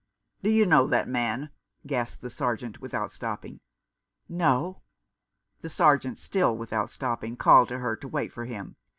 " Do you know that man ?" gasped the Sergeant, without stopping. " No." The Sergeant, still without stopping, called to her to wait for him.